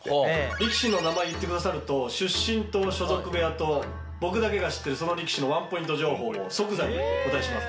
力士の名前言ってくださると出身と所属部屋と僕だけが知ってるその力士のワンポイント情報を即座にお答えします。